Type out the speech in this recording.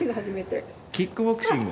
キックボクシング？